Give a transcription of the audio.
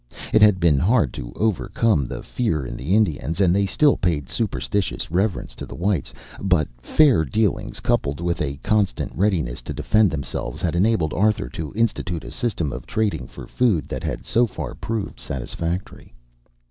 It had been hard to overcome the fear in the Indians, and they still paid superstitious reverence to the whites, but fair dealings, coupled with a constant readiness to defend themselves, had enabled Arthur to institute a system of trading for food that had so far proved satisfactory.